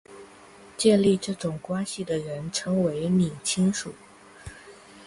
建立这种关系的人称为拟亲属。